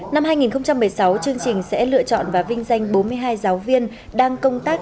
năm hai nghìn một mươi sáu chương trình sẽ lựa chọn và vinh danh bốn mươi hai giáo viên đang công tác